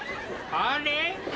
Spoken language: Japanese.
あれ！？